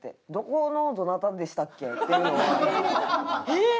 えっ！